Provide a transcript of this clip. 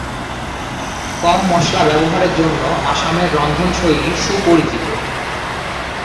কম মশলা ব্যবহারের জন্য আসামের রন্ধনশৈলী সুপরিচিত।